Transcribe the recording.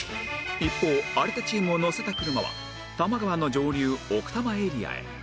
一方有田チームを乗せた車は多摩川の上流奥多摩エリアへ